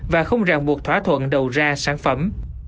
và không ràng buộc thỏa thuận đầu ra sản phẩm